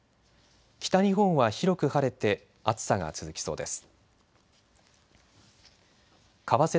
北日本は広く晴れて暑さが続きそうです。